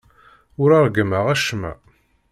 Ur ṛeggmeɣ acemma.